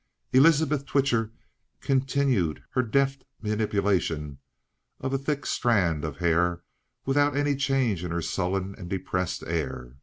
Elizabeth Twitcher continued her deft manipulation of a thick strand of hair without any change in her sullen and depressed air.